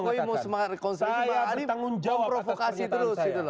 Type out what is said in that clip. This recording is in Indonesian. pak jokowi mau semangat rekonselasi pak ali memprovokasi terus